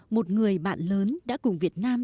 một người bạn lớn đã cùng việt nam